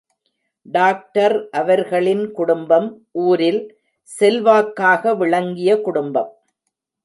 Doctor அவர்களின் குடும்பம் ஊரில் செல்வாக்காக விளங்கிய குடும்பம்.